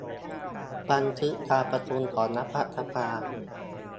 บันทึกการประชุมของรัฐสภา